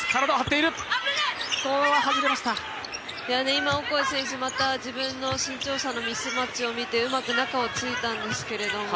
今オコエ選手自分が身長差のミスマッチを見てうまく中をついたんですけども。